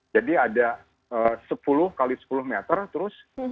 jadi ada sepuluh x sepuluh meter terus